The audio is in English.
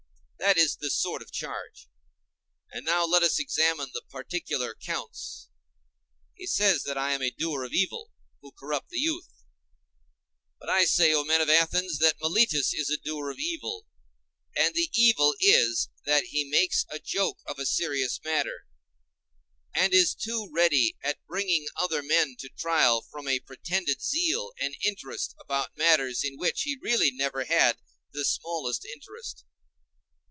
That is the sort of charge; and now let us examine the particular counts. He says that I am a doer of evil, who corrupt the youth; but I say, O men of Athens, that Meletus is a doer of evil, and the evil is that he makes a joke of a serious matter, and is too ready at bringing other men to trial from a pretended zeal and interest about matters in which he really never had the smallest interest.